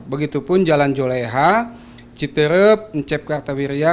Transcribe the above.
begitupun jalan jowleha citirep ncepkartabirya